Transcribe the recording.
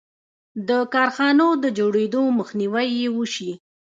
د کارخانو د جوړېدو مخنیوی یې وشي.